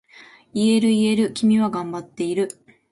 言える言える、君は頑張っている。